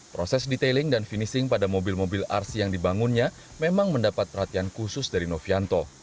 proses detailing dan finishing pada mobil mobil rc yang dibangunnya memang mendapat perhatian khusus dari novianto